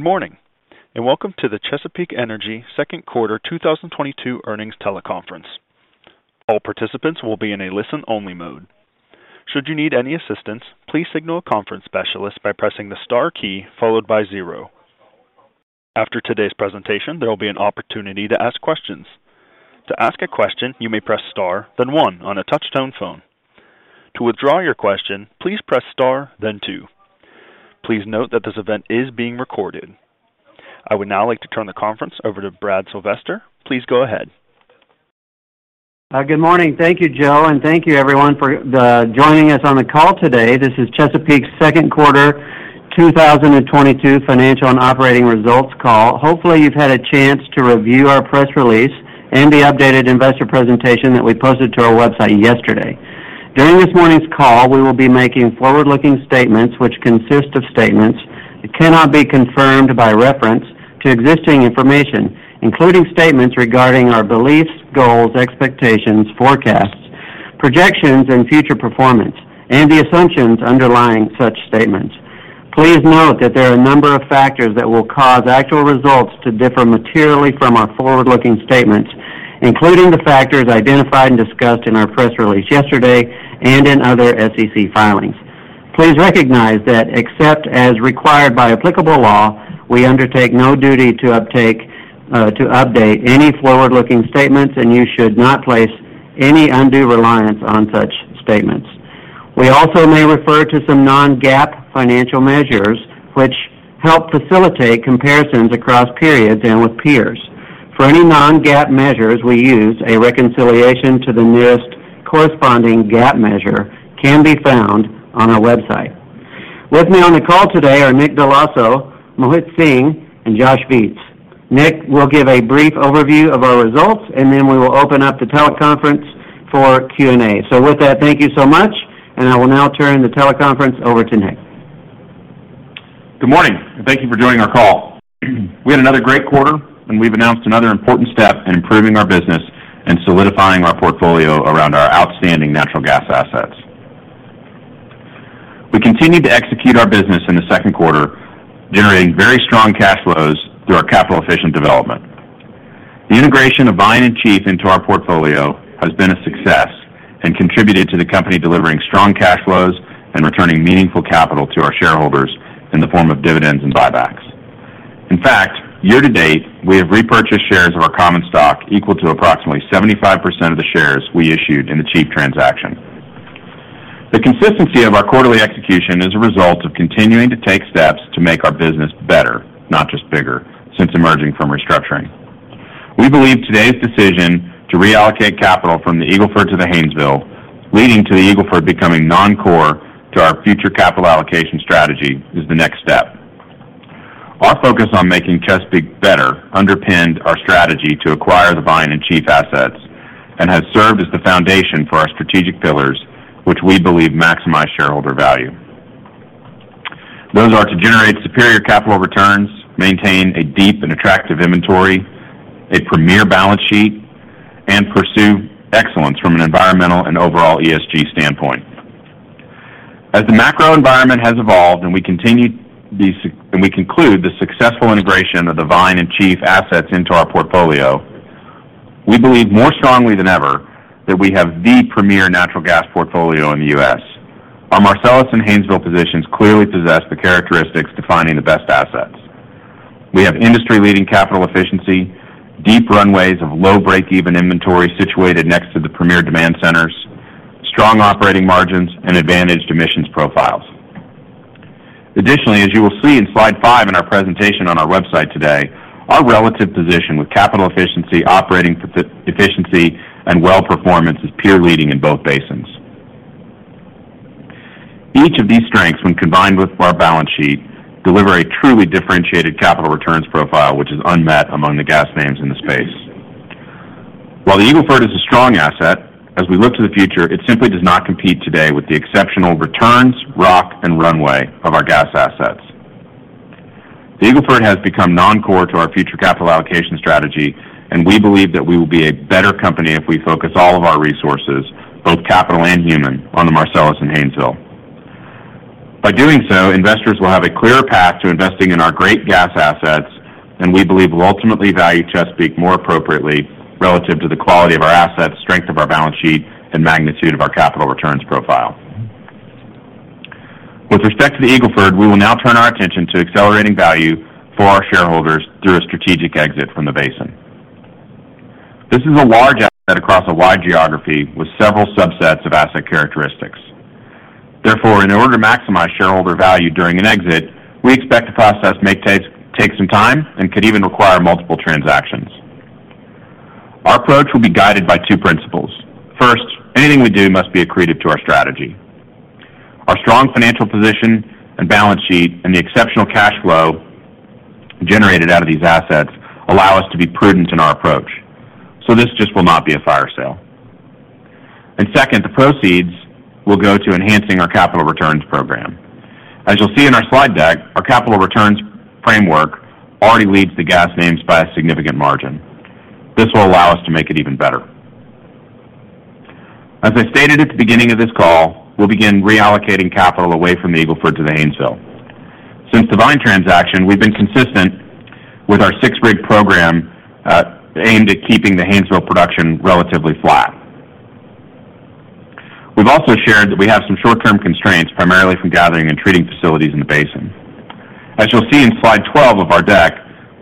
Good morning and welcome to the Chesapeake Energy second quarter 2022 earnings teleconference. All participants will be in a listen-only mode. Should you need any assistance, please signal a conference specialist by pressing the star key followed by zero. After today's presentation, there will be an opportunity to ask questions. To ask a question, you may press star, then one on a touch-tone phone. To withdraw your question, please press star then two. Please note that this event is being recorded. I would now like to turn the conference over to Brad Sylvester. Please go ahead. Good morning. Thank you, Joe and thank you everyone for joining us on the call today. This is Chesapeake's second quarter 2022 financial and operating results call. Hopefully, you've had a chance to review our press release and the updated investor presentation that we posted to our website yesterday. During this morning's call, we will be making forward-looking statements which consist of statements that cannot be confirmed by reference to existing information, including statements regarding our beliefs, goals, expectations, forecasts, projections and future performance and the assumptions underlying such statements. Please note that there are a number of factors that will cause actual results to differ materially from our forward-looking statements, including the factors identified and discussed in our press release yesterday and in other SEC filings. Please recognize that except as required by applicable law, we undertake no duty to update any forward-looking statements and you should not place any undue reliance on such statements. We also may refer to some non-GAAP financial measures, which help facilitate comparisons across periods and with peers. For any non-GAAP measures we use, a reconciliation to the nearest corresponding GAAP measure can be found on our website. With me on the call today are Nick Dell'Osso, Mohit Singh and Josh Viets. Nick will give a brief overview of our results and then we will open up the teleconference for Q&A. With that, thank you so much and I will now turn the teleconference over to Nick. Good morning and thank you for joining our call. We had another great quarter and we've announced another important step in improving our business and solidifying our portfolio around our outstanding natural gas assets. We continued to execute our business in the second quarter, generating very strong cash flows through our capital-efficient development. The integration of buying Vine and Chief into our portfolio has been a success and contributed to the company delivering strong cash flows and returning meaningful capital to our shareholders in the form of dividends and buybacks. In fact, year-to-date, we have repurchased shares of our common stock equal to approximately 75% of the shares we issued in the Chief transaction. The consistency of our quarterly execution is a result of continuing to take steps to make our business better, not just bigger, since emerging from restructuring. We believe today's decision to reallocate capital from the Eagle Ford to the Haynesville, leading to the Eagle Ford becoming non-core to our future capital allocation strategy, is the next step. Our focus on making Chesapeake better underpinned our strategy to acquire the Vine and Chief assets and has served as the foundation for our strategic pillars, which we believe maximize shareholder value. Those are to generate superior capital returns, maintain a deep and attractive inventory, a premier balance sheet and pursue excellence from an environmental and overall ESG standpoint. As the macro environment has evolved and we conclude the successful integration of the Vine and Chief assets into our portfolio, we believe more strongly than ever that we have the premier natural gas portfolio in the U.S. Our Marcellus and Haynesville positions clearly possess the characteristics defining the best assets. We have industry-leading capital efficiency, deep runways of low break-even inventory situated next to the premier demand centers, strong operating margins and advantaged emissions profiles. Additionally, as you will see in slide five in our presentation on our website today, our relative position with capital efficiency, operating efficiency and well performance is peer leading in both basins. Each of these strengths, when combined with our balance sheet, deliver a truly differentiated capital returns profile, which is unmet among the gas names in the space. While the Eagle Ford is a strong asset, as we look to the future, it simply does not compete today with the exceptional returns, rock and runway of our gas assets. The Eagle Ford has become non-core to our future capital allocation strategy and we believe that we will be a better company if we focus all of our resources, both capital and human, on the Marcellus and Haynesville. By doing so, investors will have a clearer path to investing in our great gas assets and we believe will ultimately value Chesapeake more appropriately relative to the quality of our assets, strength of our balance sheet and magnitude of our capital returns profile. With respect to the Eagle Ford, we will now turn our attention to accelerating value for our shareholders through a strategic exit from the basin. This is a large asset across a wide geography with several subsets of asset characteristics. Therefore, in order to maximize shareholder value during an exit, we expect the process may take some time and could even require multiple transactions. Our approach will be guided by two principles. First, anything we do must be accretive to our strategy. Our strong financial position and balance sheet and the exceptional cash flow generated out of these assets allow us to be prudent in our approach. This just will not be a fire sale. Second, the proceeds will go to enhancing our capital returns program. As you'll see in our slide deck, our capital returns framework already leads the gas names by a significant margin. This will allow us to make it even better. As I stated at the beginning of this call, we'll begin reallocating capital away from the Eagle Ford to the Haynesville. Since Vine transaction, we've been consistent with our six-rig program aimed at keeping the Haynesville production relatively flat. We've also shared that we have some short-term constraints, primarily from gathering and treating facilities in the basin. As you'll see in slide 12 of our deck,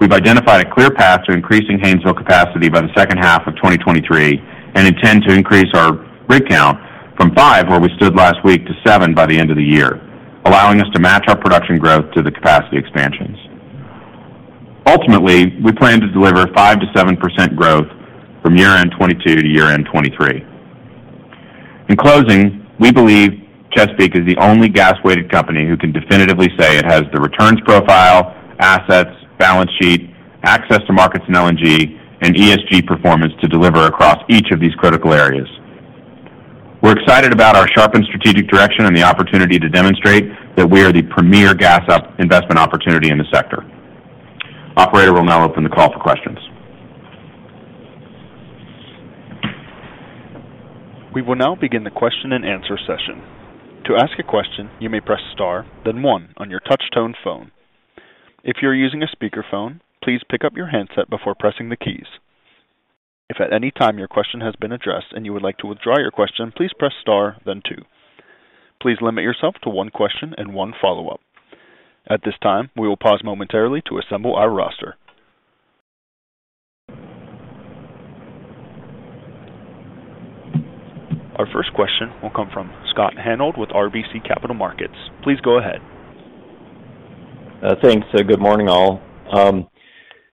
we've identified a clear path to increasing Haynesville capacity by the second half of 2023 and intend to increase our rig count from 5, where we stood last week, to 7 by the end of the year, allowing us to match our production growth to the capacity expansions. Ultimately, we plan to deliver 5%-7% growth from year-end 2022 to year-end 2023. In closing, we believe Chesapeake is the only gas-weighted company who can definitively say it has the returns profile, assets, balance sheet, access to markets in LNG and ESG performance to deliver across each of these critical areas. We're excited about our sharpened strategic direction and the opportunity to demonstrate that we are the premier gas E&P investment opportunity in the sector. Operator, we'll now open the call for questions. We will now begin the question-and-answer session. To ask a question, you may press Star, then one on your touch tone phone. If you're using a speakerphone, please pick up your handset before pressing the keys. If at any time your question has been addressed and you would like to withdraw your question, please press Star, then two. Please limit yourself to one question and one follow-up. At this time, we will pause momentarily to assemble our roster. Our first question will come from Scott Hanold with RBC Capital Markets. Please go ahead. Thanks. Good morning, all. Morning, Scott.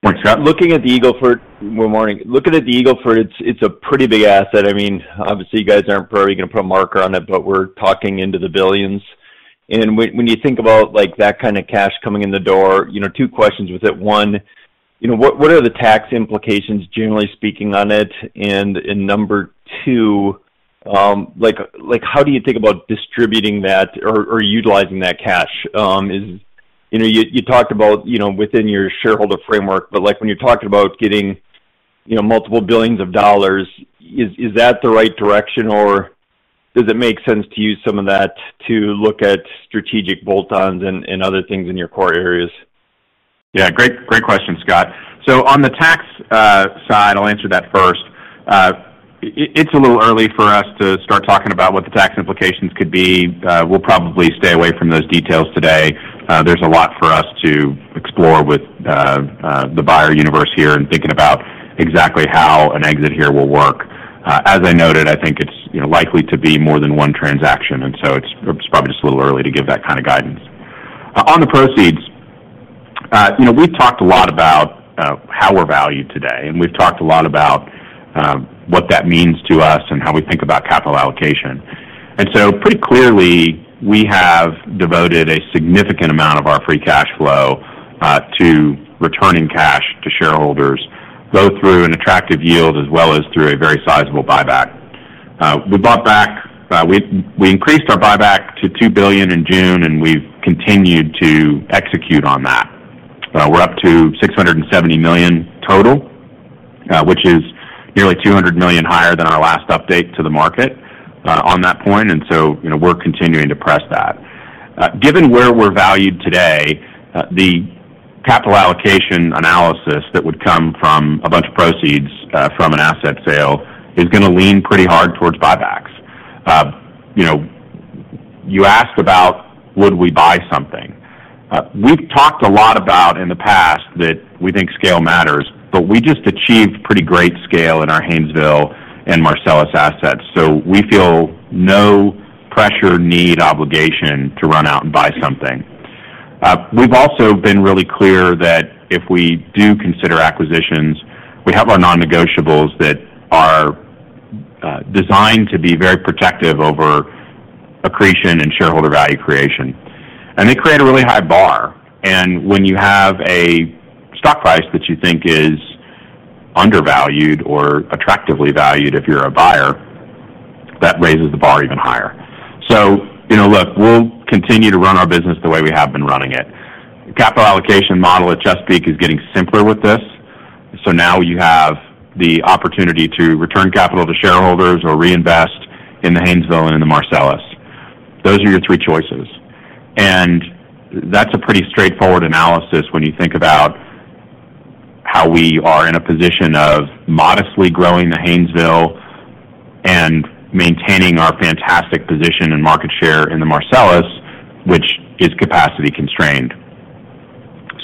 Good morning. Looking at the Eagle Ford, it's a pretty big asset. I mean, obviously, you guys aren't probably gonna put a marker on it but we're talking into the billions. When you think about, like, that kind of cash coming in the door, you know, two questions with it. One, you know, what are the tax implications, generally speaking, on it? And number two, like, how do you think about distributing that or utilizing that cash? You know, you talked about, you know, within your shareholder framework but, like, when you're talking about getting, you know, multiple billions of dollars, is that the right direction or does it make sense to use some of that to look at strategic bolt-on and other things in your core areas? Yeah. Great question, Scott. On the tax side, I'll answer that first. It's a little early for us to start talking about what the tax implications could be. We'll probably stay away from those details today. There's a lot for us to explore with the buyer universe here and thinking about exactly how an exit here will work. As I noted, I think it's, you know, likely to be more than one transaction and so it's probably just a little early to give that kind of guidance. On the proceeds, you know, we've talked a lot about how we're valued today and we've talked a lot about what that means to us and how we think about capital allocation. Pretty clearly, we have devoted a significant amount of our free cash flow to returning cash to shareholders, both through an attractive yield as well as through a very sizable buyback. We increased our buyback to $2 billion in June and we've continued to execute on that. We're up to $670 million total, which is nearly $200 million higher than our last update to the market on that point. You know, we're continuing to press that. Given where we're valued today, the capital allocation analysis that would come from a bunch of proceeds from an asset sale is gonna lean pretty hard towards buybacks. You know, you asked about, would we buy something? We've talked a lot about, in the past, that we think scale matters but we just achieved pretty great scale in our Haynesville and Marcellus assets, so we feel no pressure, need, obligation to run out and buy something. We've also been really clear that if we do consider acquisitions, we have our non-negotiables that are designed to be very protective over accretion and shareholder value creation and they create a really high bar. When you have a stock price that you think is undervalued or attractively valued, if you're a buyer, that raises the bar even higher. You know, look, we'll continue to run our business the way we have been running it. The capital allocation model at Chesapeake is getting simpler with this. Now you have the opportunity to return capital to shareholders or reinvest in the Haynesville and in the Marcellus. Those are your three choices. That's a pretty straightforward analysis when you think about how we are in a position of modestly growing the Haynesville and maintaining our fantastic position and market share in the Marcellus, which is capacity-constrained.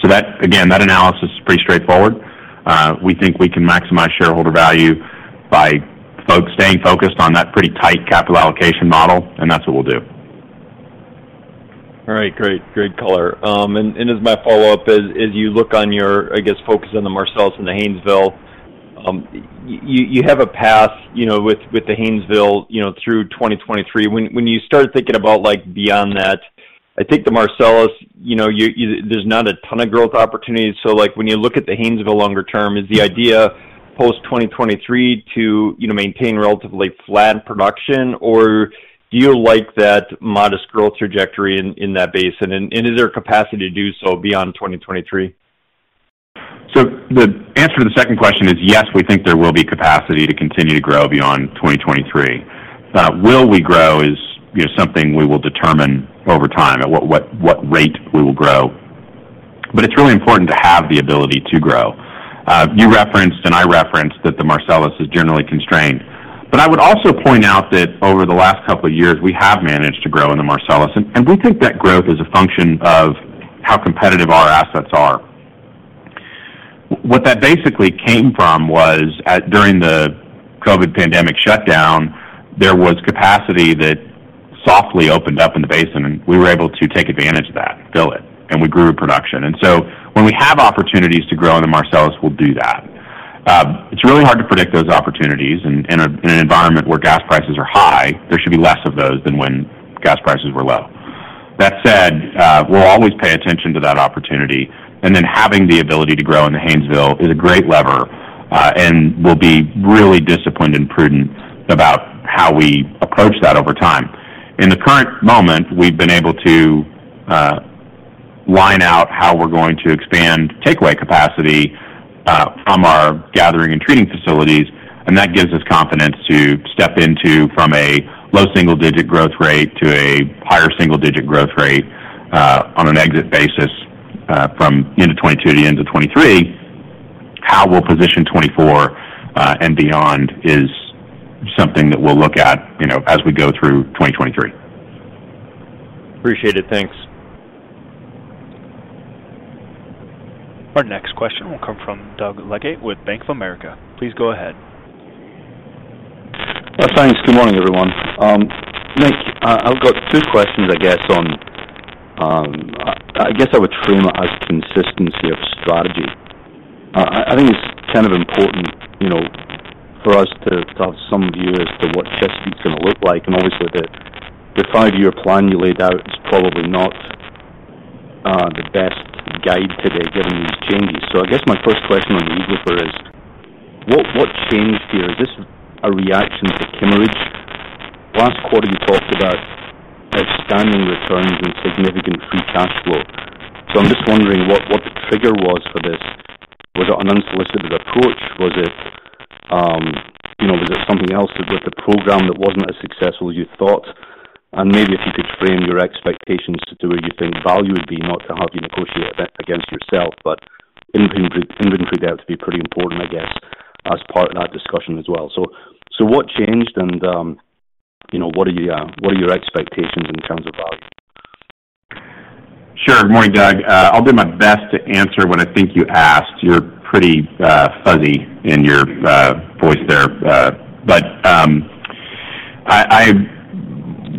Again, that analysis is pretty straightforward. We think we can maximize shareholder value by staying focused on that pretty tight capital allocation model and that's what we'll do. All right. Great. Great color. And as my follow-up, as you look on your, I guess, focus on the Marcellus and the Haynesville, you have a path, you know, with the Haynesville, you know, through 2023. When you start thinking about, like, beyond that, I think the Marcellus, you know, you there's not a ton of growth opportunities. Like, when you look at the Haynesville longer term, is the idea post-2023 to, you know, maintain relatively flat production or do you like that modest growth trajectory in that basin? And is there capacity to do so beyond 2023? The answer to the second question is yes, we think there will be capacity to continue to grow beyond 2023. Will we grow? It's, you know, something we will determine over time at what rate we will grow. It's really important to have the ability to grow. You referenced and I referenced that the Marcellus is generally constrained. I would also point out that over the last couple of years, we have managed to grow in the Marcellus and we think that growth is a function of how competitive our assets are. What that basically came from was during the COVID pandemic shutdown, there was capacity that softly opened up in the basin and we were able to take advantage of that, fill it and we grew production. When we have opportunities to grow in the Marcellus, we'll do that. It's really hard to predict those opportunities in an environment where gas prices are high. There should be less of those than when gas prices were low. That said, we'll always pay attention to that opportunity. Having the ability to grow in the Haynesville is a great lever and we'll be really disciplined and prudent about how we approach that over time. In the current moment, we've been able to line out how we're going to expand takeaway capacity from our gathering and treating facilities and that gives us confidence to step into from a low single-digit growth rate to a higher single-digit growth rate on an exit basis from end of 2022 to the end of 2023. How we'll position 2024 and beyond is something that we'll look at, you know, as we go through 2023. Appreciate it. Thanks. Our next question will come from Doug Leggate with Bank of America. Please go ahead. Thanks. Good morning, everyone. Nick, I've got two questions, I guess, on. I guess I would frame it as consistency of strategy. I think it's kind of important, you know, for us to have some view as to what Chesapeake is gonna look like. Obviously the five-year plan you laid out is probably not the best guide today given these changes. I guess my first question on the Eagle Ford is what changed here? Is this a reaction to Kimmeridge? Last quarter you talked about expanding returns and significant free cash flow. I'm just wondering what the trigger was for this. Was it an unsolicited approach? Was it, you know, was it something else? Was it a program that wasn't as successful as you thought? Maybe if you could frame your expectations to where you think value would be, not to have you negotiate against yourself but even if it turned out to be pretty important, I guess, as part of that discussion as well. What changed and, you know, what are your expectations in terms of value? Sure. Good morning, Doug. I'll do my best to answer what I think you asked. You're pretty fuzzy in your voice there. But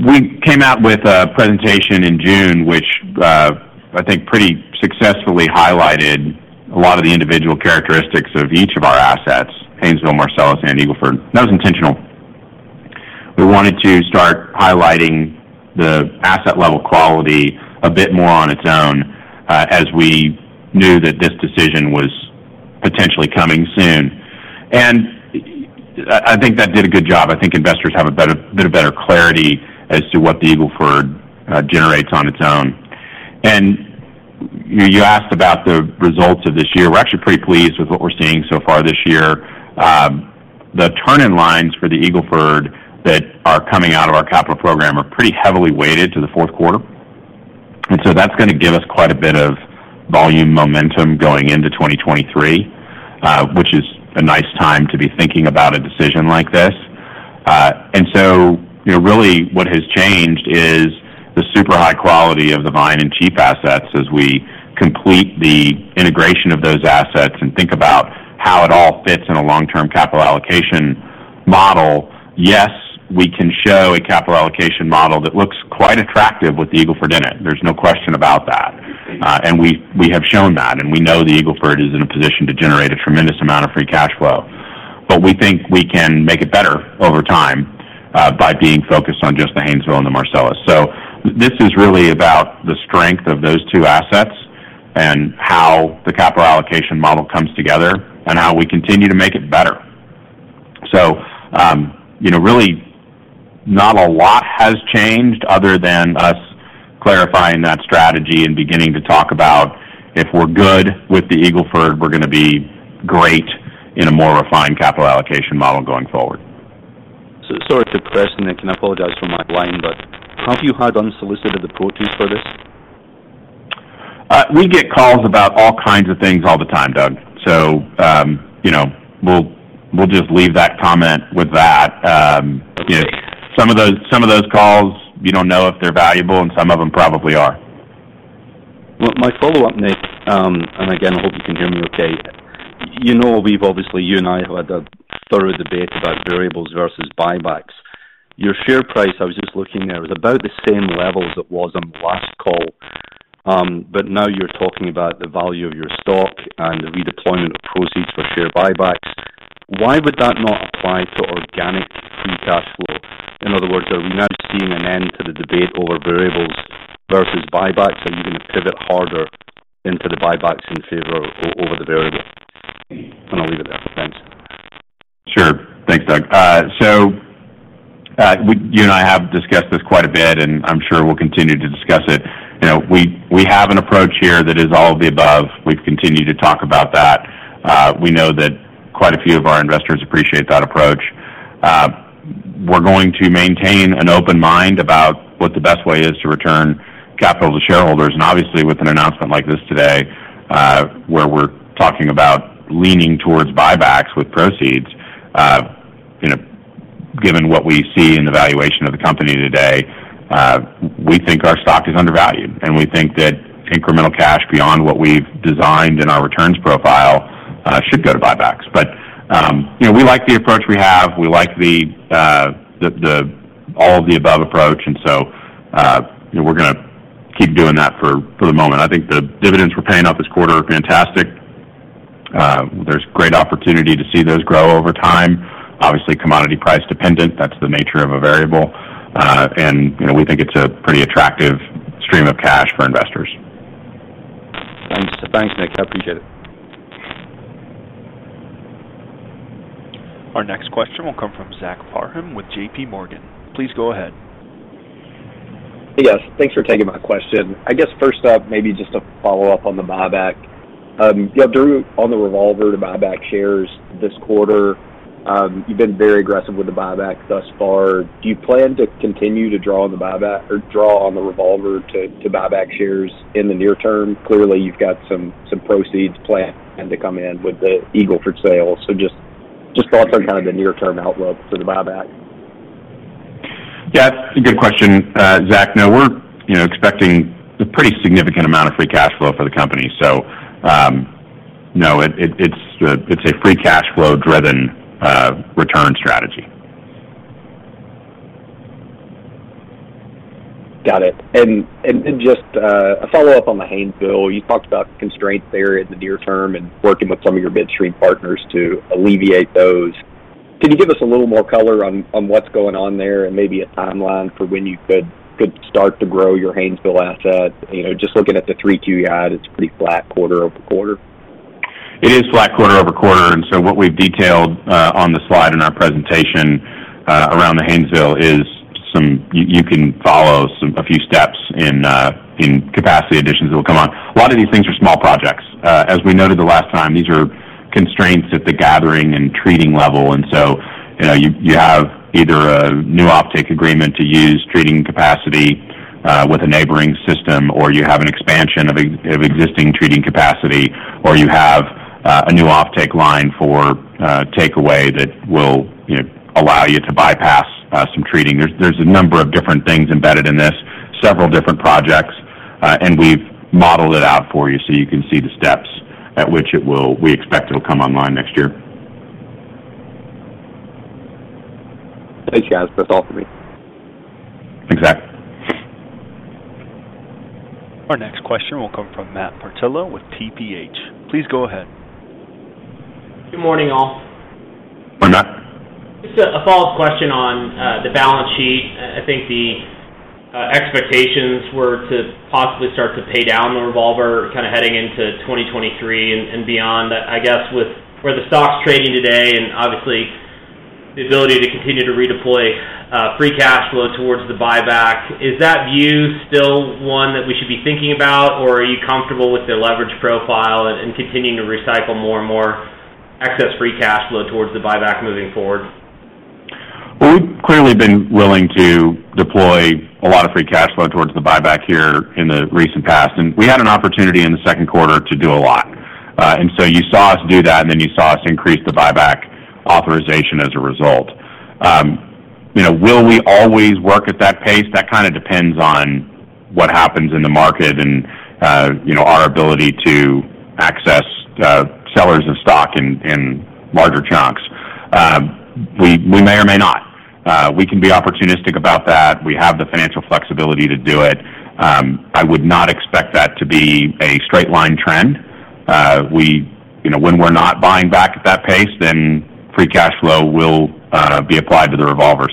we came out with a presentation in June, which I think pretty successfully highlighted a lot of the individual characteristics of each of our assets, Haynesville, Marcellus and Eagle Ford. That was intentional. We wanted to start highlighting the asset level quality a bit more on its own, as we knew that this decision was potentially coming soon. I think that did a good job. I think investors have a bit better clarity as to what the Eagle Ford generates on its own. You asked about the results of this year. We're actually pretty pleased with what we're seeing so far this year. The turn-in-lines for the Eagle Ford that are coming out of our capital program are pretty heavily weighted to the fourth quarter. That's gonna give us quite a bit of volume momentum going into 2023, which is a nice time to be thinking about a decision like this. You know, really what has changed is the super high quality of the Vine and Chief assets as we complete the integration of those assets and think about how it all fits in a long-term capital allocation model. Yes, we can show a capital allocation model that looks quite attractive with the Eagle Ford in it. There's no question about that. And we have shown that and we know the Eagle Ford is in a position to generate a tremendous amount of free cash flow. We think we can make it better over time, by being focused on just the Haynesville and the Marcellus. This is really about the strength of those two assets and how the capital allocation model comes together and how we continue to make it better. You know, really not a lot has changed other than us clarifying that strategy and beginning to talk about if we're good with the Eagle Ford, we're gonna be great in a more refined capital allocation model going forward. Sorry to press and again, I apologize for my line but have you had unsolicited approaches for this? We get calls about all kinds of things all the time, Doug. You know, we'll just leave that comment with that. You know, some of those calls you don't know if they're valuable and some of them probably are. Well, my follow-up, Nick and again, I hope you can hear me okay. You know, we've obviously, you and I have had a thorough debate about variables versus buybacks. Your share price, I was just looking there, was about the same level as it was on the last call. Now you're talking about the value of your stock and the redeployment of proceeds for share buybacks. Why would that not apply to organic free cash flow? In other words, are we now seeing an end to the debate over variables versus buybacks? Are you gonna pivot harder into the buybacks in favor over the variable? I'll leave it there. Thanks. Sure. Thanks, Doug. So, you and I have discussed this quite a bit and I'm sure we'll continue to discuss it. You know, we have an approach here that is all of the above. We've continued to talk about that. We know that quite a few of our investors appreciate that approach. We're going to maintain an open mind about what the best way is to return capital to shareholders. Obviously, with an announcement like this today, where we're talking about leaning towards buybacks with proceeds, you know, given what we see in the valuation of the company today, we think our stock is undervalued and we think that incremental cash beyond what we've designed in our returns profile should go to buybacks. You know, we like the approach we have. We like the all of the above approach. You know, we're gonna keep doing that for the moment. I think the dividends we're paying out this quarter are fantastic. There's great opportunity to see those grow over time. Obviously, commodity price dependent. That's the nature of a variable. You know, we think it's a pretty attractive stream of cash for investors. Thanks. Thanks, Nick. I appreciate it. Our next question will come from Zach Parham with JPMorgan. Please go ahead. Yes, thanks for taking my question. I guess first up, maybe just a follow-up on the buyback. You know, drew on the revolver to buy back shares this quarter. You've been very aggressive with the buyback thus far. Do you plan to continue to draw on the buyback or draw on the revolver to buy back shares in the near term? Clearly, you've got some proceeds planned to come in with the Eagle Ford sale. Just thoughts on kind of the near-term outlook for the buyback. Yeah, it's a good question, Zach. No, we're you know expecting a pretty significant amount of free cash flow for the company. No, it's a free cash flow-driven return strategy. Got it. Just a follow-up on the Haynesville. You talked about constraints there in the near term and working with some of your midstream partners to alleviate those. Can you give us a little more color on what's going on there and maybe a timeline for when you could start to grow your Haynesville asset? You know, just looking at the 3Q guide, it's pretty flat quarter-over-quarter. It is flat quarter-over-quarter. What we've detailed on the slide in our presentation around the Haynesville is you can follow a few steps in capacity additions that will come on. A lot of these things are small projects. As we noted the last time, these are constraints at the gathering and treating level. You know, you have either a new offtake agreement to use treating capacity with a neighboring system or you have an expansion of existing treating capacity or you have a new offtake line for takeaway that will, you know, allow you to bypass some treating. There's a number of different things embedded in this, several different projects. We've modeled it out for you so you can see the steps at which we expect it'll come online next year. Thanks, guys. That's all for me. Thanks, Zach. Our next question will come from Matt Portillo with TPH&Co. Please go ahead. Good morning, all. Morning, Matt. Just a follow-up question on the balance sheet. I think the expectations were to possibly start to pay down the revolver kind of heading into 2023 and beyond. I guess with the stocks trading today and obviously the ability to continue to redeploy free cash flow towards the buyback, is that view still one that we should be thinking about or are you comfortable with the leverage profile and continuing to recycle more and more excess free cash flow towards the buyback moving forward? Well, we've clearly been willing to deploy a lot of free cash flow towards the buyback here in the recent past and we had an opportunity in the second quarter to do a lot. You saw us do that and then you saw us increase the buyback authorization as a result. You know, will we always work at that pace? That kind of depends on what happens in the market and, you know, our ability to access sellers of stock in larger chunks. We may or may not. We can be opportunistic about that. We have the financial flexibility to do it. I would not expect that to be a straight line trend. You know, when we're not buying back at that pace, then free cash flow will be applied to the revolver.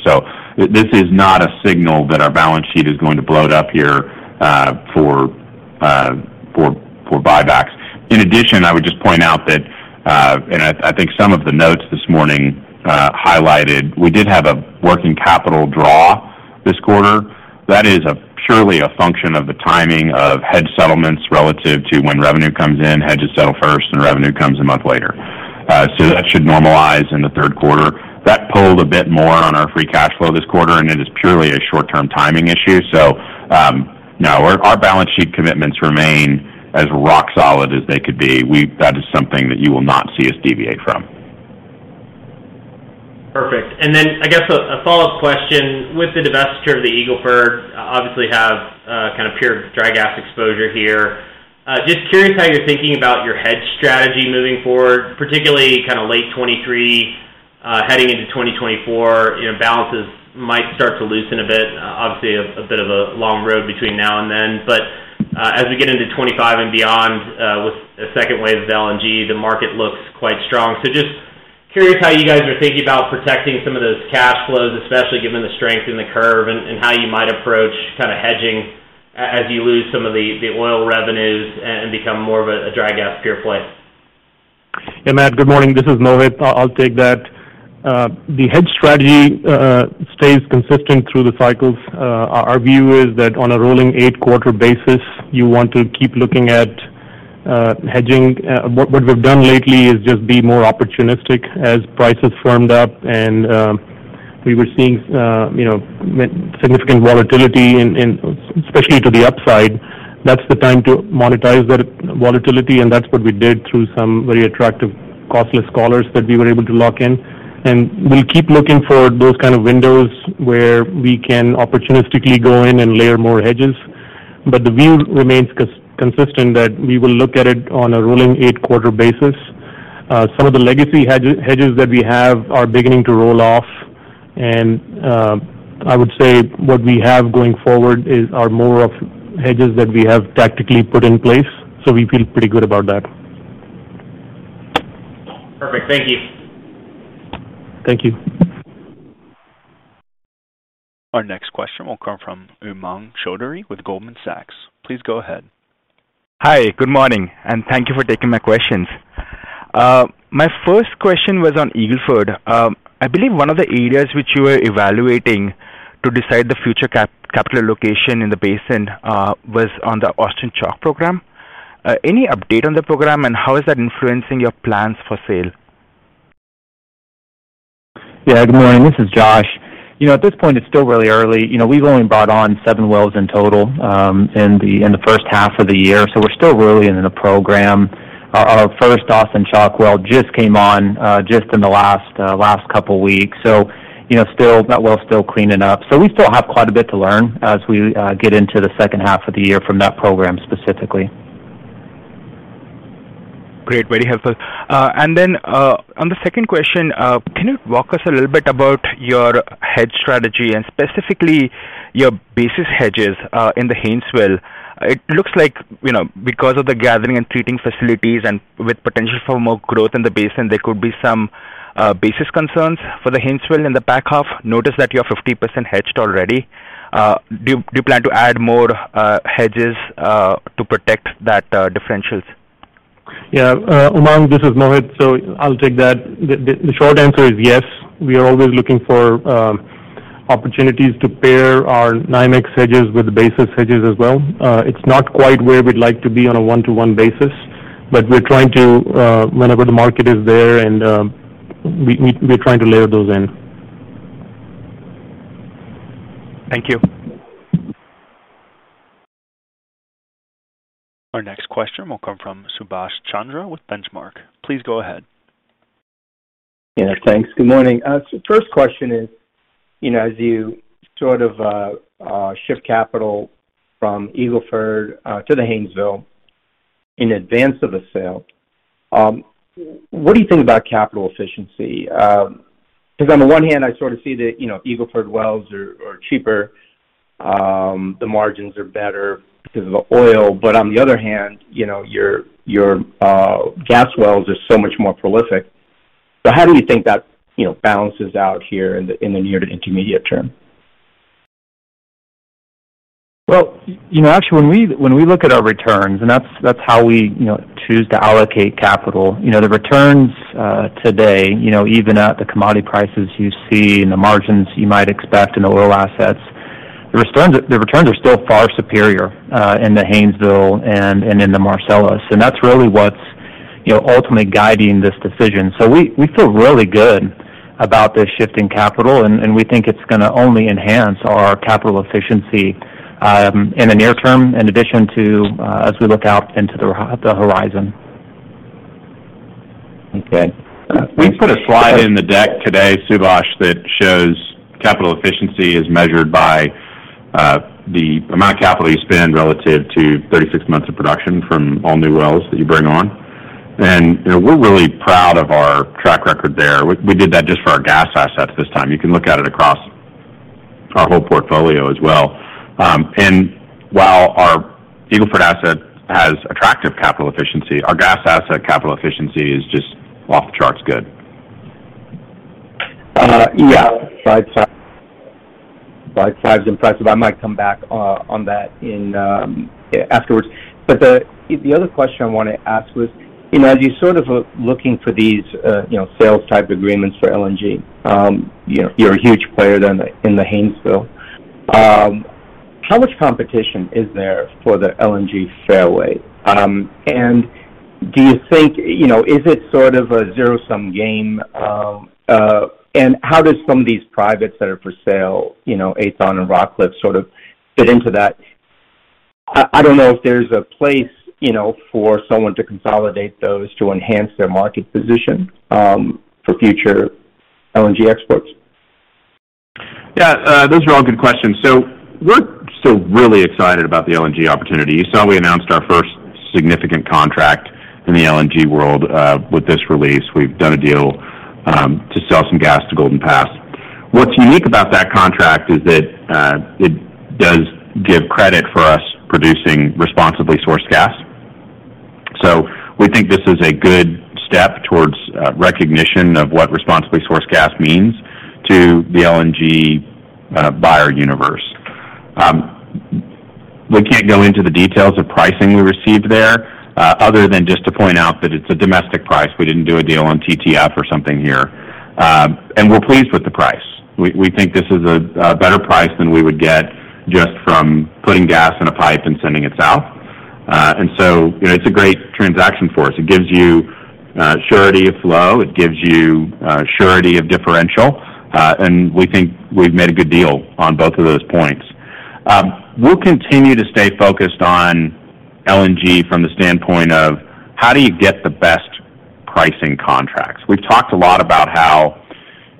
This is not a signal that our balance sheet is going to bloat up here for buybacks. In addition, I would just point out that I think some of the notes this morning highlighted we did have a working capital draw this quarter. That is purely a function of the timing of hedge settlements relative to when revenue comes in. Hedges settle first and revenue comes a month later. That should normalize in the third quarter. That pulled a bit more on our free cash flow this quarter and it is purely a short-term timing issue. No, our balance sheet commitments remain as rock solid as they could be. That is something that you will not see us deviate from. Perfect. I guess a follow-up question. With the divestiture of the Eagle Ford, obviously have kind of pure dry gas exposure here. Just curious how you're thinking about your hedge strategy moving forward, particularly kind of late 2023, heading into 2024. You know, balances might start to loosen a bit, obviously a bit of a long road between now and then. As we get into 2025 and beyond, with a second wave of LNG, the market looks quite strong. Just curious how you guys are thinking about protecting some of those cash flows, especially given the strength in the curve and how you might approach kind of hedging. As you lose some of the oil revenues and become more of a dry gas pure play. Hey, Matt, good morning. This is Mohit. I'll take that. The hedge strategy stays consistent through the cycles. Our view is that on a rolling eight-quarter basis, you want to keep looking at hedging. What we've done lately is just be more opportunistic as prices firmed up and we were seeing you know significant volatility in especially to the upside. That's the time to monetize that volatility and that's what we did through some very attractive costless collars that we were able to lock in. We'll keep looking for those kind of windows where we can opportunistically go in and layer more hedges. The view remains consistent that we will look at it on a rolling eight-quarter basis. Some of the legacy hedges that we have are beginning to roll off. I would say what we have going forward are more of hedges that we have tactically put in place. We feel pretty good about that. Perfect. Thank you. Thank you. Our next question will come from Umang Choudhary with Goldman Sachs. Please go ahead. Hi, good morning and thank you for taking my questions. My first question was on Eagle Ford. I believe one of the areas which you were evaluating to decide the future capital allocation in the basin was on the Austin Chalk program. Any update on the program and how is that influencing your plans for sale? Yeah, good morning. This is Josh. You know, at this point, it's still really early. You know, we've only brought on seven wells in total, in the first half of the year. We're still early in the program. Our first Austin Chalk well just came on, just in the last couple weeks. You know, still, that well's still cleaning up. We still have quite a bit to learn as we get into the second half of the year from that program specifically. Great. Very helpful. On the second question, can you walk us a little bit about your hedge strategy and specifically your basis hedges in the Haynesville? It looks like, because of the gathering and treating facilities and with potential for more growth in the basin, there could be some basis concerns for the Haynesville in the back half. Notice that you're 50% hedged already. Do you plan to add more hedges to protect that differentials? Yeah. Umang, this is Mohit, so I'll take that. The short answer is yes. We are always looking for opportunities to pair our NYMEX hedges with the basis hedges as well. It's not quite where we'd like to be on a one-to-one basis but we're trying to, whenever the market is there and, we're trying to layer those in. Thank you. Our next question will come from Subash Chandra with Benchmark. Please go ahead. Yeah, thanks. Good morning. First question is, you know, as you sort of shift capital from Eagle Ford to the Haynesville in advance of the sale, what do you think about capital efficiency? 'Cause on the one hand, I sort of see that, you know, Eagle Ford wells are cheaper. The margins are better because of the oil. On the other hand, you know, your gas wells are so much more prolific. How do you think that, you know, balances out here in the near to intermediate term? You know, actually when we look at our returns and that's how we choose to allocate capital. You know, the returns today, you know, even at the commodity prices you see and the margins you might expect in the oil assets, the returns are still far superior in the Haynesville and in the Marcellus. That's really what's you know, ultimately guiding this decision. We feel really good about this shift in capital and we think it's gonna only enhance our capital efficiency in the near term in addition to as we look out into the horizon. Okay. We put a slide in the deck today, Subash, that shows capital efficiency is measured by the amount of capital you spend relative to 36 months of production from all new wells that you bring on. You know, we're really proud of our track record there. We did that just for our gas assets this time. You can look at it across our whole portfolio as well. While our Eagle Ford asset has attractive capital efficiency, our gas asset capital efficiency is just off the charts good. Yeah. Impressive. I might come back on that afterwards. The other question I wanna ask was, you know, as you're sort of looking for these, you know, sales type agreements for LNG, you know, you're a huge player in the Haynesville. How much competition is there for the LNG fairway? And do you think, you know, is it sort of a zero-sum game? And how does some of these privates that are for sale, you know, Aethon and Rockcliff, sort of fit into that? I don't know if there's a place, you know, for someone to consolidate those to enhance their market position for future LNG exports. Yeah. Those are all good questions. We're still really excited about the LNG opportunity. You saw we announced our first significant contract in the LNG world with this release. We've done a deal to sell some gas to Golden Pass. What's unique about that contract is that it does give credit for us producing Responsibly Sourced Gas. We think this is a good step towards recognition of what Responsibly Sourced Gas means to the LNG buyer universe. We can't go into the details of pricing we received there other than just to point out that it's a domestic price. We didn't do a deal on TTF or something here. We're pleased with the price. We think this is a better price than we would get just from putting gas in a pipe and sending it south. You know, it's a great transaction for us. It gives you surety of flow. It gives you surety of differential. We think we've made a good deal on both of those points. We'll continue to stay focused on LNG from the standpoint of how do you get the best pricing contracts. We've talked a lot about how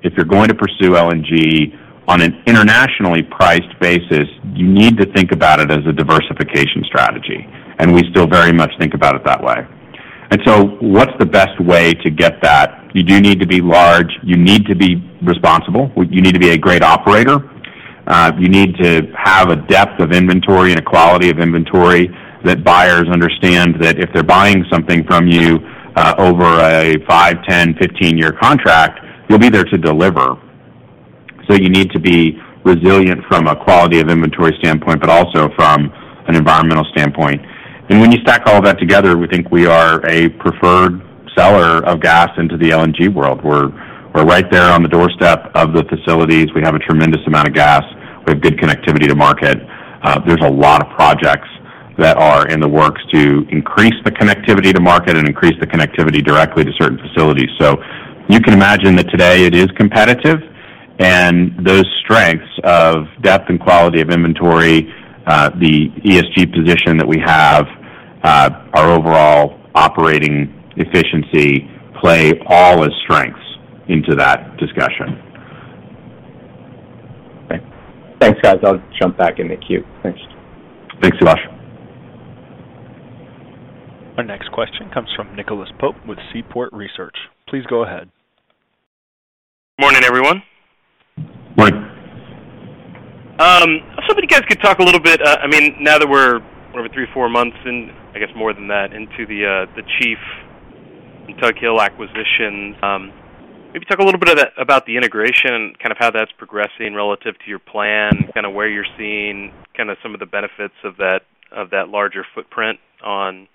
if you're going to pursue LNG on an internationally priced basis, you need to think about it as a diversification strategy. We still very much think about it that way. What's the best way to get that? You do need to be large. You need to be responsible. You need to be a great operator. You need to have a depth of inventory and a quality of inventory that buyers understand that if they're buying something from you, over a five, 10, 15-year contract, you'll be there to deliver. You need to be resilient from a quality of inventory standpoint but also from an environmental standpoint. When you stack all that together, we think we are a preferred seller of gas into the LNG world. We're right there on the doorstep of the facilities. We have a tremendous amount of gas. We have good connectivity to market. There's a lot of projects that are in the works to increase the connectivity to market and increase the connectivity directly to certain facilities. You can imagine that today it is competitive. Those strengths of depth and quality of inventory, the ESG position that we have, our overall operating efficiency play all as strengths into that discussion. Okay. Thanks, guys. I'll jump back in the queue. Thanks. Thanks, Subash. Our next question comes from Nicholas Pope with Seaport Research. Please go ahead. Morning, everyone. Morning. I was hoping you guys could talk a little bit, I mean, now that we're over three-four months in, I guess more than that, into the Chief and Tug Hill acquisitions, maybe talk a little bit about the integration, kind of how that's progressing relative to your plan, kind of where you're seeing kind of some of the benefits of that, of that larger footprint on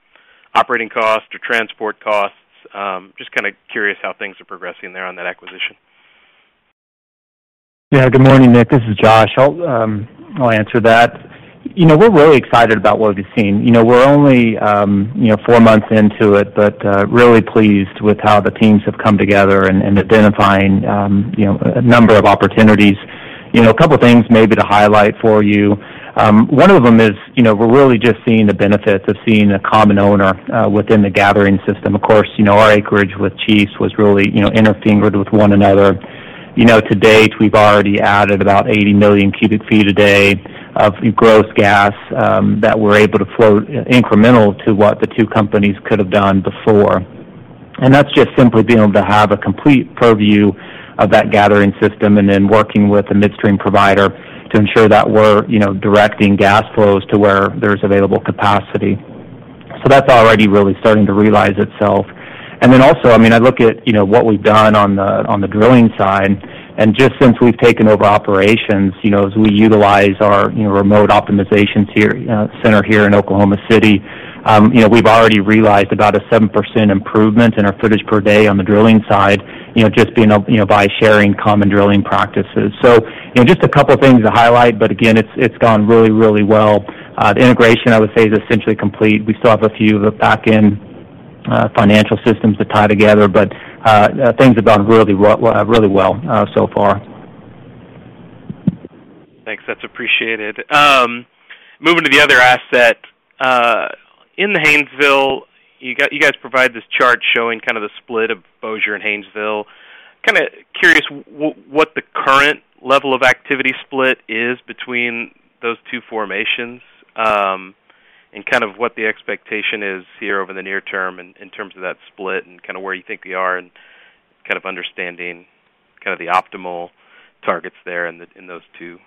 operating costs or transport costs. Just kind of curious how things are progressing there on that acquisition. Yeah. Good morning, Nick. This is Josh. I'll answer that. You know, we're really excited about what we've seen. You know, we're only four months into it but really pleased with how the teams have come together and identifying a number of opportunities. You know, a couple of things maybe to highlight for you. One of them is, you know, we're really just seeing the benefits of seeing a common owner within the gathering system. Of course, you know, our acreage with Chief's was really interfingered with one another. You know, to date, we've already added about 80 million cubic feet a day of gross gas that we're able to flow incremental to what the two companies could have done before. That's just simply being able to have a complete pro view of that gathering system and then working with a midstream provider to ensure that we're, you know, directing gas flows to where there's available capacity. That's already really starting to realize itself. I mean, I look at, you know, what we've done on the drilling side. Just since we've taken over operations, you know, as we utilize our, you know, remote optimization center here in Oklahoma City, you know, we've already realized about a 7% improvement in our footage per day on the drilling side, you know, just being, you know, by sharing common drilling practices. You know, just a couple of things to highlight but again, it's gone really, really well. The integration, I would say, is essentially complete. We still have a few of the back-end financial systems to tie together but things have gone really well so far. Thanks. That's appreciated. Moving to the other asset in the Haynesville, you guys provide this chart showing kind of the split of Bossier and Haynesville. Kind of curious what the current level of activity split is between those two formations and kind of what the expectation is here over the near term in terms of that split and kind of where you think you are and kind of understanding kind of the optimal targets there in those two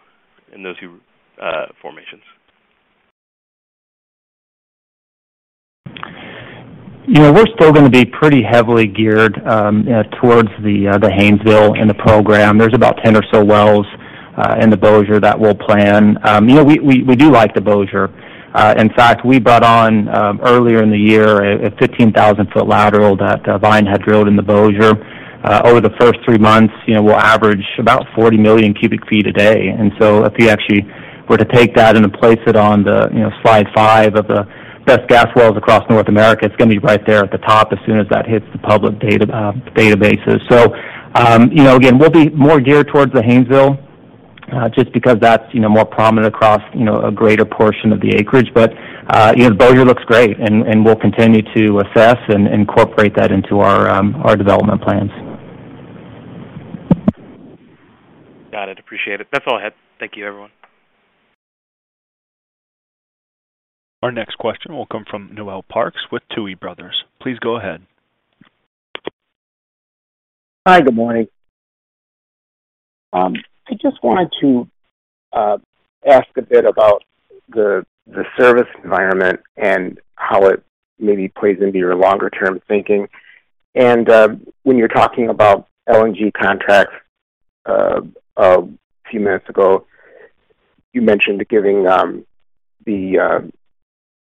formations. You know, we're still gonna be pretty heavily geared towards the Haynesville in the program. There's about 10 or so wells in the Bossier that we'll plan. You know, we do like the Bossier. In fact, we brought on earlier in the year a 15,000-foot lateral that Vine had drilled in the Bossier. Over the first three months, you know, we'll average about 40 million cubic feet a day. If you actually were to take that and place it on the slide 5 of the best gas wells across North America, it's gonna be right there at the top as soon as that hits the public databases. You know, again, we'll be more geared towards the Haynesville just because that's, you know, more prominent across, you know, a greater portion of the acreage. Bossier looks great and we'll continue to assess and incorporate that into our development plans. Got it. Appreciate it. That's all I had. Thank you, everyone. Our next question will come from Noel Parks with Tuohy Brothers. Please go ahead. Hi, good morning. I just wanted to ask a bit about the service environment and how it maybe plays into your longer-term thinking. When you're talking about LNG contracts a few minutes ago, you mentioned giving the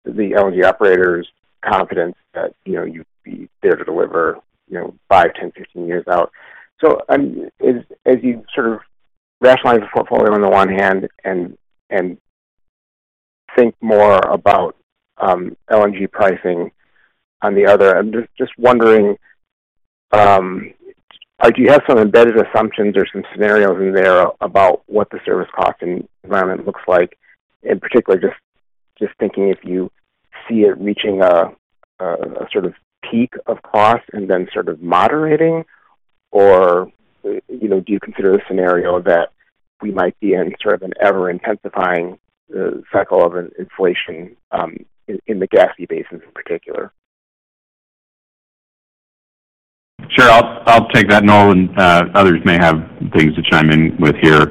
LNG operators confidence that, you know, you'd be there to deliver, you know, five, 10, 15 years out. As you sort of rationalize the portfolio on the one hand and think more about LNG pricing on the other, I'm just wondering, like, do you have some embedded assumptions or some scenarios in there about what the service cost environment looks like? Particularly just thinking if you see it reaching a sort of peak of cost and then sort of moderating or, you know, do you consider a scenario that we might be in sort of an ever intensifying cycle of an inflation in the gassy basins in particular? Sure. I'll take that, Noel and others may have things to chime in with here.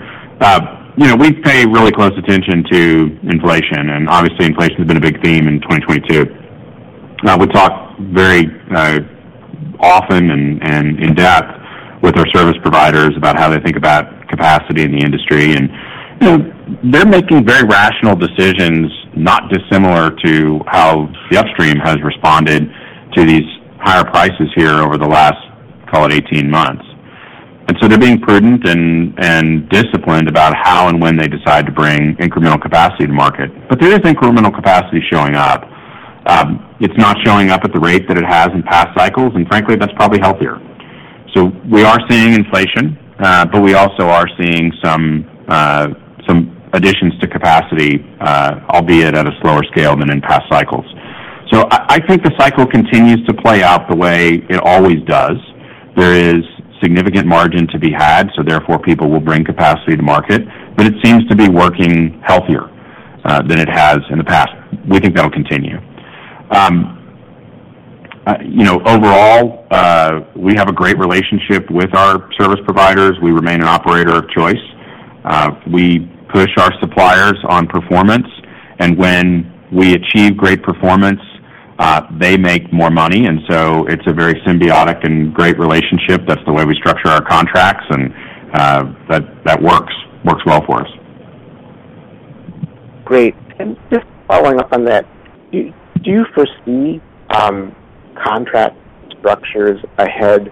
You know, we pay really close attention to inflation and obviously inflation has been a big theme in 2022. We talk very often and in depth with our service providers about how they think about capacity in the industry. You know, they're making very rational decisions, not dissimilar to how the upstream has responded to these higher prices here over the last, call it 18 months. They're being prudent and disciplined about how and when they decide to bring incremental capacity to market. There is incremental capacity showing up. It's not showing up at the rate that it has in past cycles and frankly, that's probably healthier. We are seeing inflation but we also are seeing some additions to capacity, albeit at a slower scale than in past cycles. I think the cycle continues to play out the way it always does. There is significant margin to be had, so therefore people will bring capacity to market. But it seems to be working healthier than it has in the past. We think that'll continue. You know, overall, we have a great relationship with our service providers. We remain an operator of choice. We push our suppliers on performance and when we achieve great performance, they make more money. It's a very symbiotic and great relationship. That's the way we structure our contracts and that works well for us. Great. Just following up on that, do you foresee contract structures ahead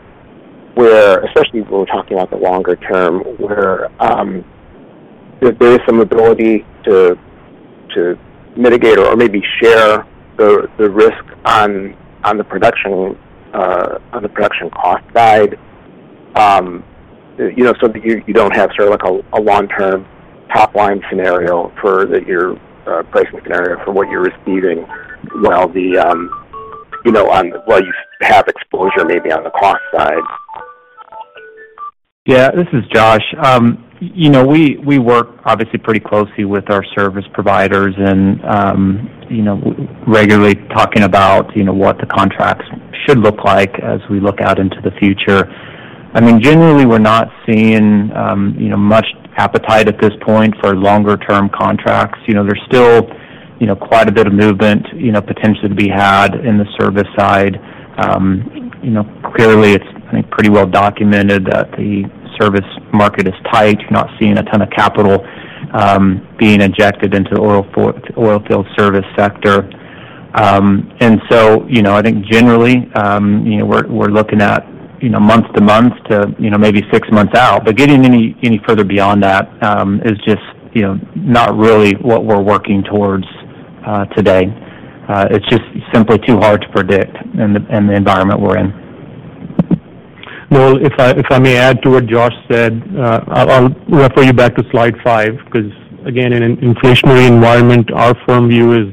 where, especially if we're talking about the longer term, where there's some ability to mitigate or maybe share the risk on the production cost side? You know, so you don't have sort of like a long-term top line scenario for the year, pricing scenario for what you're receiving while you have exposure maybe on the cost side. Yeah. This is Josh. You know, we work obviously pretty closely with our service providers and, you know, regularly talking about, you know, what the contracts should look like as we look out into the future. I mean, generally, we're not seeing, you know, much appetite at this point for longer-term contracts. You know, there's still, you know, quite a bit of movement, you know, potentially to be had in the service side. You know, clearly it's, I think, pretty well documented that the service market is tight. You're not seeing a ton of capital, being injected into oil field service sector. You know, I think generally, you know, we're looking at, you know, month to month, you know, maybe six months out. Getting any further beyond that is just, you know, not really what we're working towards today. It's just simply too hard to predict in the environment we're in. Noel, if I may add to what Josh said, I'll refer you back to slide five. 'Cause again, in an inflationary environment, our firm view is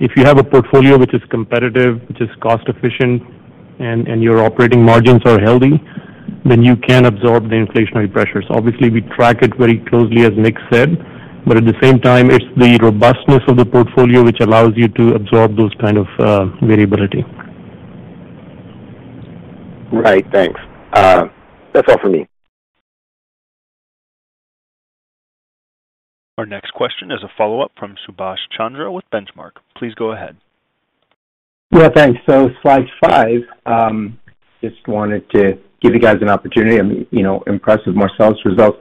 if you have a portfolio which is competitive, which is cost efficient and your operating margins are healthy, then you can absorb the inflationary pressures. Obviously, we track it very closely, as Nick said but at the same time, it's the robustness of the portfolio which allows you to absorb those kind of variability. Right. Thanks. That's all for me. Our next question is a follow-up from Subash Chandra with Benchmark. Please go ahead. Yeah, thanks. Slide five. Just wanted to give you guys an opportunity. I'm, you know, impressed with Marcellus results.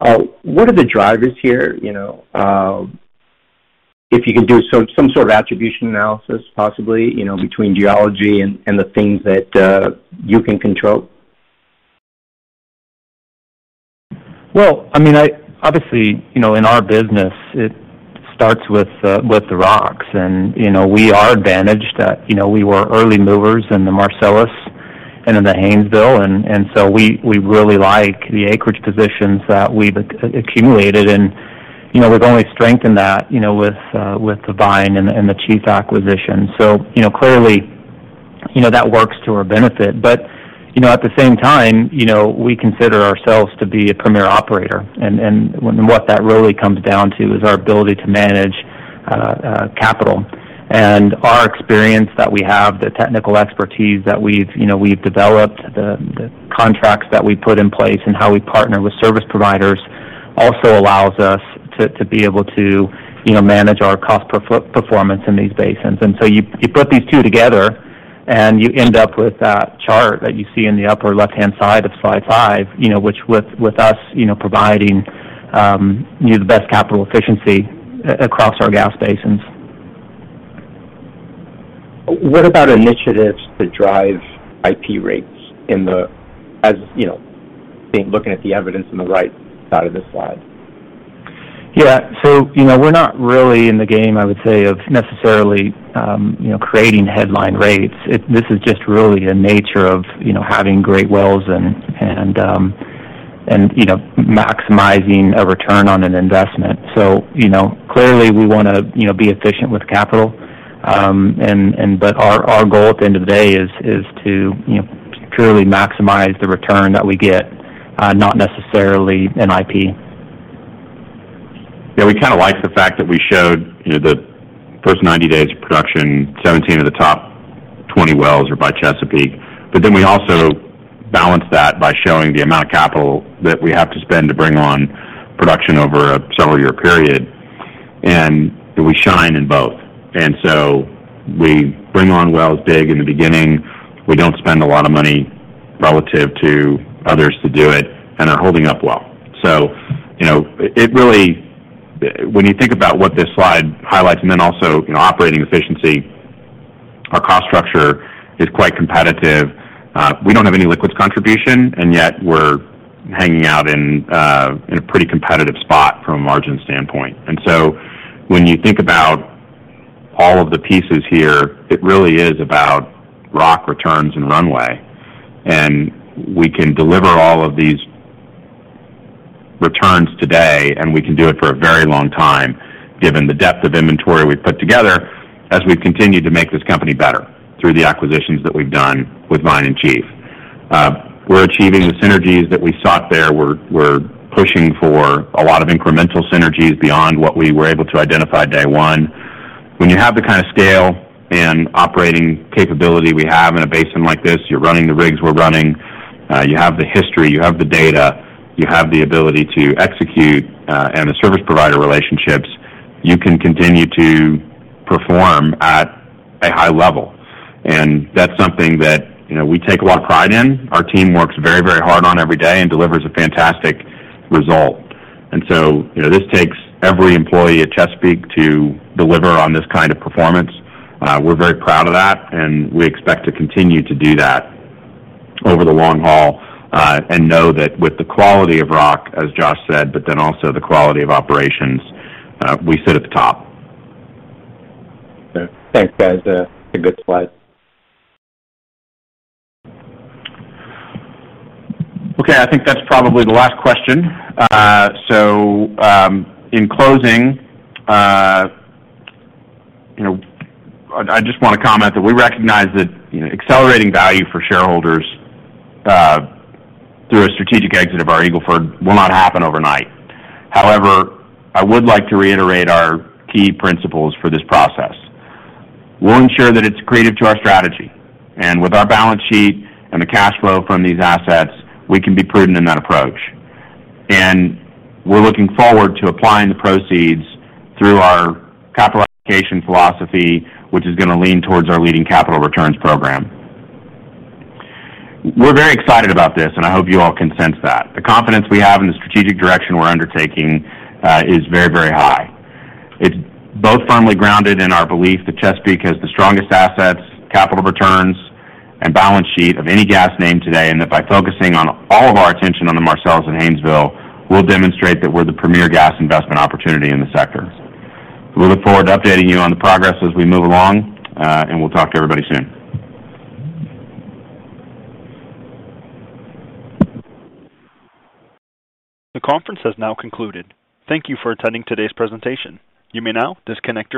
What are the drivers here, you know, if you can do some sort of attribution analysis possibly, you know, between geology and the things that you can control? Well, I mean, obviously, you know, in our business it starts with the rocks. You know, we are advantaged that, you know, we were early movers in the Marcellus and in the Haynesville and so we really like the acreage positions that we've accumulated. You know, we've only strengthened that, you know, with the Vine and the Chief acquisition. You know, clearly, you know, that works to our benefit. At the same time, you know, we consider ourselves to be a premier operator. What that really comes down to is our ability to manage capital. Our experience that we have, the technical expertise that we've, you know, we've developed, the contracts that we put in place and how we partner with service providers also allows us to be able to, you know, manage our cost performance in these basins. You put these two together and you end up with that chart that you see in the upper left-hand side of slide five, you know, which with us, you know, providing you the best capital efficiency across our gas basins. What about initiatives that drive IP rates, as you know, then looking at the evidence in the right side of this slide? Yeah. You know, we're not really in the game, I would say, of necessarily, you know, creating headline rates. This is just really a nature of, you know, having great wells and, you know, maximizing a return on an investment. You know, clearly we wanna, you know, be efficient with capital. But our goal at the end of the day is to, you know, truly maximize the return that we get, not necessarily an IP. Yeah. We kinda like the fact that we showed, you know, the first 90 days of production, 17 of the top 20 wells are by Chesapeake. But then we also balance that by showing the amount of capital that we have to spend to bring on production over a several-year period and we shine in both. We bring on wells big in the beginning. We don't spend a lot of money relative to others to do it and are holding up well. You know, when you think about what this slide highlights and then also, you know, operating efficiency, our cost structure is quite competitive. We don't have any liquids contribution and yet we're hanging out in a pretty competitive spot from a margin standpoint. When you think about all of the pieces here, it really is about rock returns and runway. We can deliver all of these returns today and we can do it for a very long time, given the depth of inventory we've put together as we've continued to make this company better through the acquisitions that we've done with Vine and Chief. We're achieving the synergies that we sought there. We're pushing for a lot of incremental synergies beyond what we were able to identify day one. When you have the kind of scale and operating capability we have in a basin like this, you're running the rigs we're running, you have the history, you have the data, you have the ability to execute and the service provider relationships, you can continue to perform at a high level. That's something that, you know, we take a lot of pride in. Our team works very, very hard on every day and delivers a fantastic result. You know, this takes every employee at Chesapeake to deliver on this kind of performance. We're very proud of that and we expect to continue to do that over the long haul and know that with the quality of rock, as Josh said but then also the quality of operations, we sit at the top. Yeah. Thanks, guys. A good slide. Okay. I think that's probably the last question. In closing, you know, I just wanna comment that we recognize that, you know, accelerating value for shareholders through a strategic exit of our Eagle Ford will not happen overnight. However, I would like to reiterate our key principles for this process. We'll ensure that it's accretive to our strategy. With our balance sheet and the cash flow from these assets, we can be prudent in that approach. We're looking forward to applying the proceeds through our capital allocation philosophy, which is gonna lean towards our leading capital returns program. We're very excited about this and I hope you all can sense that. The confidence we have in the strategic direction we're undertaking is very, very high. It's both firmly grounded in our belief that Chesapeake has the strongest assets, capital returns and balance sheet of any gas name today and that by focusing on all of our attention on the Marcellus and Haynesville, we'll demonstrate that we're the premier gas investment opportunity in the sector. We look forward to updating you on the progress as we move along and we'll talk to everybody soon. The conference has now concluded. Thank you for attending today's presentation. You may now disconnect.